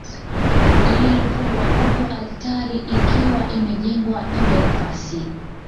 Lililofungwa huku altari ikiwa imejengwa juu ya nafasi